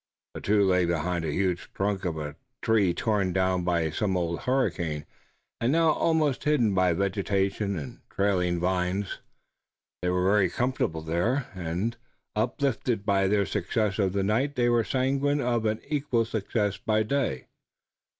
The two lay behind the huge trunk of a tree torn down by some old hurricane and now almost hidden by vegetation and trailing vines. They were very comfortable there, and, uplifted by their success of the night they were sanguine of an equal success by day.